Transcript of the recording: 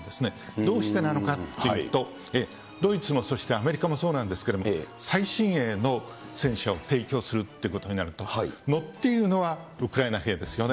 どうしてなのかっていうと、ドイツも、そしてアメリカもそうなんですけれども、最新鋭の戦車を提供するということになると、乗っているのはウクライナ兵ですよね。